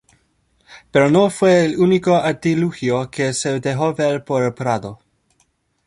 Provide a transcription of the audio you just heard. Pero no fue el único artilugio que se dejó ver por el prado.